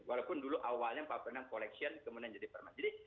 walaupun dulu awalnya pak pendang collection kemudian jadi permanet institution